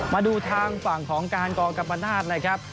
มาดูทางฝั่งของกรกับประนาทนะครับ